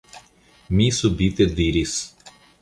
mi subite diris.